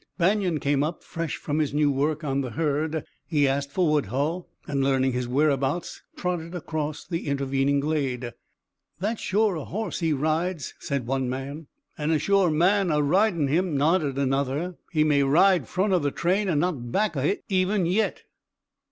Banion came up, fresh from his new work on the herd. He asked for Woodhull, and learning his whereabouts trotted across the intervening glade. "That's shore a hoss he rides," said one man. "An' a shore man a ridin' of him," nodded another. "He may ride front o' the train an' not back o' hit, even yet."